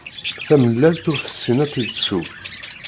Tamellalt ur tessin ad tt-id-tesseww!